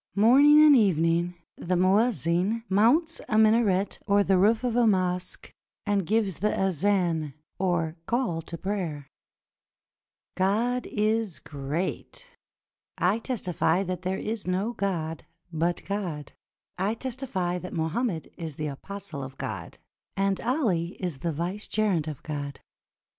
Morning and evening the muezzin mounts a minaret or the roof of a mosque, and gives the azan, or call to prayer: "God is great! I testify that there is no God but God ; I testify that Mohammed is the apostle of God, and Ali is the vicegerent of God.